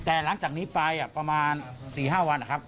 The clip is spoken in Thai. แต่หลังจากนี้ไปประมาณ๔๕วันนะครับ